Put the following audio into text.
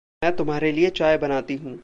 मैं तुम्हारे लिये चाय बनाती हूँ।